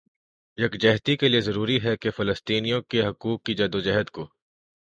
یکجہتی کےلئے ضروری ہے کہ فلسطینیوں کے حقوق کی جدوجہد کو